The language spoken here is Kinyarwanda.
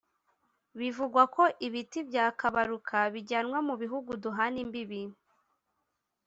Bivugwa ko ibiti bya Kabaruka bijyanwa mu bihugu duhana imbibi